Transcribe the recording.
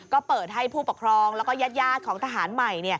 ก็เปิดให้ผู้ปกครองแล้วก็ญาติของทหารใหม่